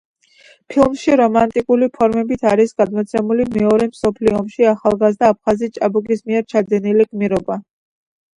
ფილმში რომანტიკული ფორმით არის გადმოცემული მეორე მსოფლიო ომში ახალგაზრდა აფხაზი ჭაბუკის მიერ ჩადენილი გმირობა.